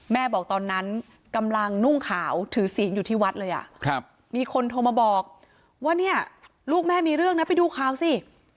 แม่บอกตอนนั้นกำลังนุ่งขาวถือศีลอยู่ที่วัดเลยมีคนโทรมาบอกว่าเนี่ยลูกแม่มีเรื่องนะไปดูข่าวสิ